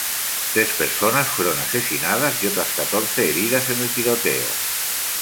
Tres personas fueron asesinadas y otras catorce heridas en el tiroteo.